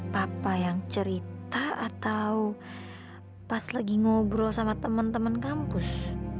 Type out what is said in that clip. papa yang cerita atau pas lagi ngobrol sama teman teman kampus